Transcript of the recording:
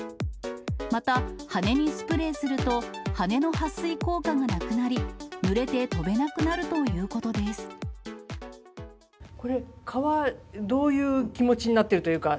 また、羽にスプレーすると、羽のはっ水効果がなくなり、ぬれて飛べなくこれ、蚊はどういう気持ちになってるというか。